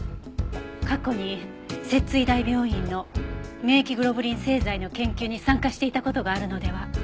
過去に摂津医大病院の免疫グロブリン製剤の研究に参加していた事があるのでは？